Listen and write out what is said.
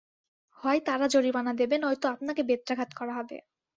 হয় তারা জরিমানা দেবে নয়তো আপনাকে বেত্রাঘাত করা হবে।